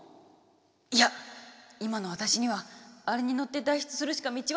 いや今の私にはあれに乗って脱出するしか道はない！